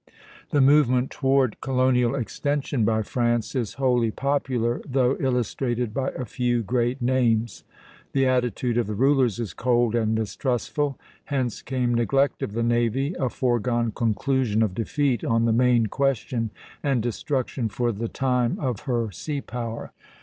The movement toward colonial extension by France is wholly popular, though illustrated by a few great names; the attitude of the rulers is cold and mistrustful: hence came neglect of the navy, a foregone conclusion of defeat on the main question, and destruction for the time of her sea power.